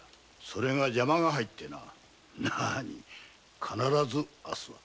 それが邪魔が入ってな必ず明日は！